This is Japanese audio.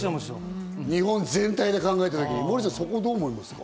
日本全体で考えたとき、モーリーさんはどう思います。